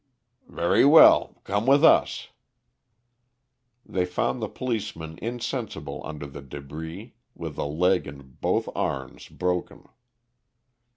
"Very well, come with us." They found the policeman insensible under the débris, with a leg and both arms broken.